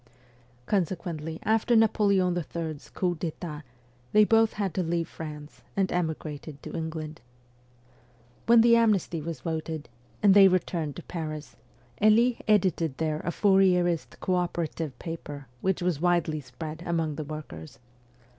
Consequently, after Napoleon III.'s coup d'etat, they both had to leave France, and emigrated to England. When the amnesty was voted, and they returned to Paris, Elie edited there a Fourierist co operative paper which was widely spread among the workers.